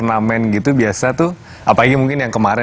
udah engga bulgari pukul panther